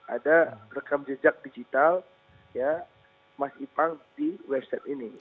ada rekam jejak digital ya mas ipang di website ini